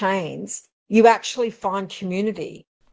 anda sebenarnya menemukan komunitas